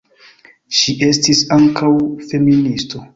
Ŝi estis ankaŭ feministo.